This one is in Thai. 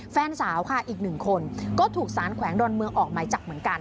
แฟนสาวอีก๑คนก็ถูกสารแขวงดอนเมืองออกใหม่จับเหมือนกัน